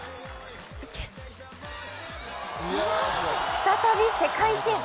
再び世界新！